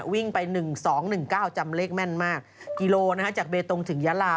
วิ่งไป๑๒๑๙จำเลขแม่นมากกิโลจากเบตงถึงยาลา